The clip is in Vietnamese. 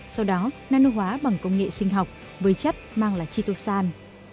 sau đó nano hóa bằng công nghệ sinh học với chất mang là chitosan